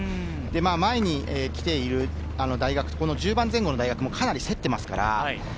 前に来ている大学と１０番前後の大学も、かなり競っています。